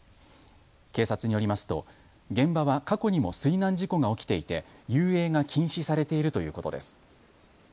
警察によりますと現場は過去にも水難事故が起きていて遊泳が禁止されているということです。